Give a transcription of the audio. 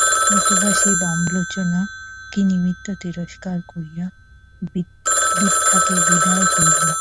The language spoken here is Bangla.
নতুবা সেই বামলোচনা কি নিমিত্ত তিরস্কার করিয়া বৃদ্ধাকে বিদায় করিল।